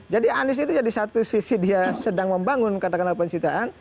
jadi anies itu di satu sisi dia sedang membangun katakanlah pencitraan